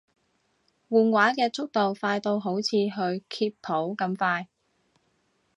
換畫嘅速度快到好似佢揭譜咁快